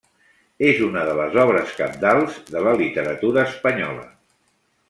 És una de les obres cabdals de la Literatura espanyola.